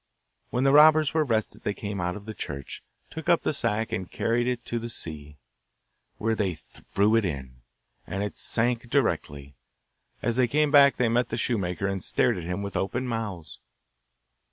When the robbers were rested they came out of the church, took up the sack, and carried it to the sea, where they threw it in, and it sank directly. As they came back they met the shoemaker, and stared at him with open mouths.